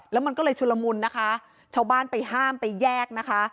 แล้วมันก็เลยชุลมุนนะคะชาวบ้านไปห้ามไปแยกนะคะ